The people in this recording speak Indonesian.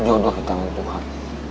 jodoh kita dengan tuhan